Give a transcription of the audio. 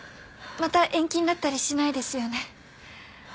また延期になったりしないですよね？